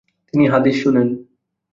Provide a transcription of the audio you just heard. তিনি হাদিস শোনেন ।